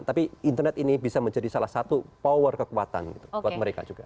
tapi internet ini bisa menjadi salah satu power kekuatan buat mereka juga